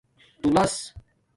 تُولس